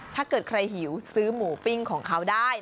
ถ้าเกิดใครหิวซื้อหมูปิ้งของเขาได้